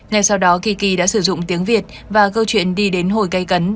ngay sau đó kiki đã sử dụng tiếng việt và câu chuyện đi đến hồi cây cấn